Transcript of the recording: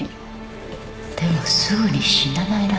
でもすぐに死なないらしい